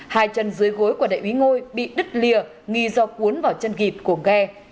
hai chân dưới gối của đại úy ngôi bị đứt lìa nghi do cuốn vào chân vịt của ghe